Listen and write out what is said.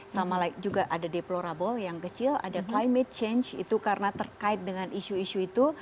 sama juga ada deplorable yang kecil ada climate change itu karena terkait dengan isu isu itu